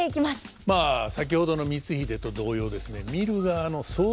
まあ先ほどの光秀と同様ですね